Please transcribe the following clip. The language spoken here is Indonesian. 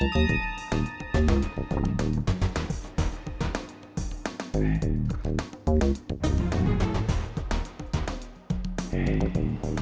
sampai jumpa di video selanjutnya